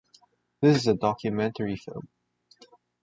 This is a documentary film.